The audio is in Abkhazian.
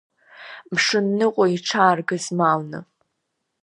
Мшынныҟәа иҽааргызмалны.